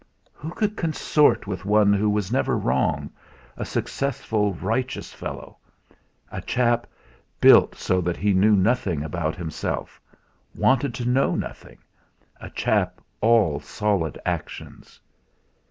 Who could consort with one who was never wrong, a successful, righteous fellow; a chap built so that he knew nothing about himself, wanted to know nothing, a chap all solid actions?